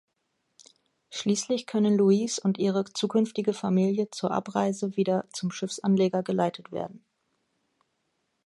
Schließlich können Louise und ihre zukünftige Familie zur Abreise wieder zum Schiffsanleger geleitet werden.